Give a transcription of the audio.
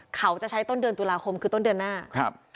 เขาจะใช้ต้นเดือนตุลาคมคือต้นเดือนหน้าครับ